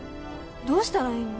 どうしたらいいの？